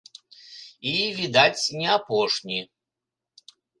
І, відаць, не апошні.